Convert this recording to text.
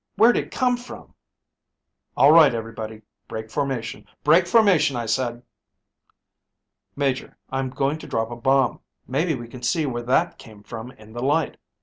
Where'd it come from?" "All right, everybody. Break formation. Break formation, I said!" "Major, I'm going to drop a bomb. Maybe we can see where that came from in the light.